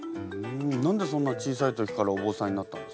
何でそんな小さい時からお坊さんになったんですか？